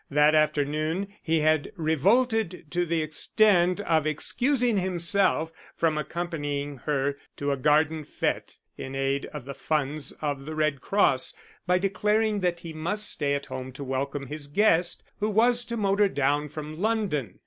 That afternoon he had revolted to the extent of excusing himself from accompanying her to a garden fête in aid of the funds of the Red Cross by declaring that he must stay at home to welcome his guest, who was to motor down from London.